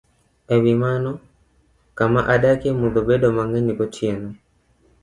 E wi mano, kama adakie mudho bedo mang'eny gotieno,